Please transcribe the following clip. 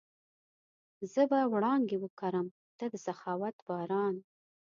زه به وړانګې وکرم، ته د سخاوت باران